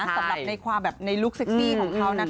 สำหรับในความแบบในลูกเซ็กซี่ของเขานะคะ